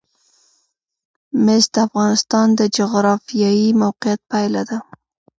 مس د افغانستان د جغرافیایي موقیعت پایله ده.